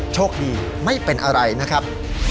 โชคดีไม่เป็นอะไรนะครับ